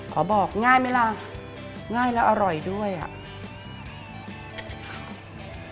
บอกง่ายไหมล่ะง่ายแล้วอร่อยด้วยอ่ะ